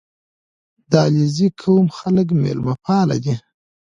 • د علیزي قوم خلک میلمهپال دي.